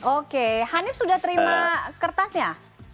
oke hanif sudah terima kertasnya